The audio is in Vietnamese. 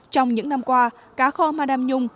trong những năm qua cá kho madame nhung